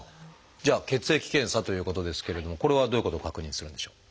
じゃあ「血液検査」ということですけれどもこれはどういうことを確認するんでしょう？